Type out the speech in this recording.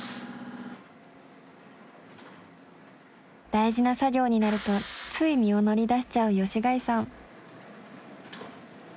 大事な作業になるとつい身を乗り出しちゃう吉開さん。